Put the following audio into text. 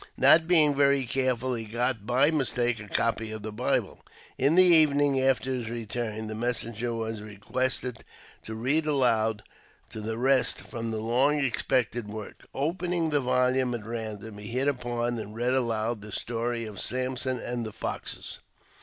Not being very careful, he got by mistake a copy of the Bible. In the evening, after his return, the messenger was re quested to read aloud to the rest from the long expected work. Opening the volume at random, he hit upon and read aloud the story of Samson and the foxes.